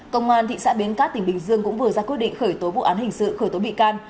công an thị xã biến cát tỉnh bình dương cũng vừa ra quyết định khởi tối vụ án hình sự khởi tối bị can